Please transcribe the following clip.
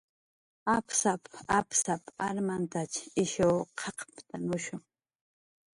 "Apsap"" apsap"" armantach ishw q'aqptanushu "